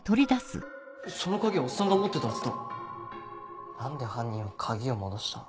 その鍵はおっさんが持ってたはずだ何で犯人は鍵を戻した？